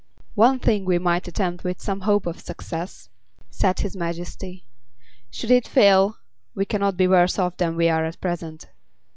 "One thing we might attempt with some hope of success," said his Majesty. "Should it fail, we can not be worse off than we are at present.